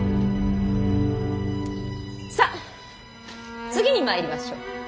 さっ次にまいりましょう。